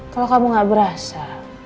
kalau kamu gak berasa